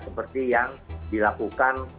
seperti yang dilakukan